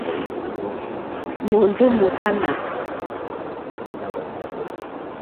Môndó mótánà.